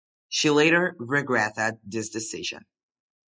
She later regretted this decision.